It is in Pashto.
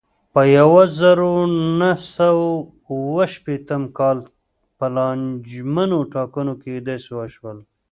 د یوه زرو نهه سوه اوه شپېتم کال په لانجمنو ټاکنو کې داسې وشول.